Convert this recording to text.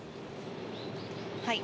はい。